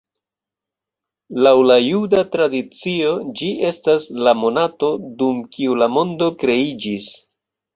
Laŭ la juda tradicio, ĝi estas la monato, dum kiu la mondo kreiĝis.